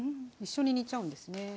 一緒に煮ちゃうんですね。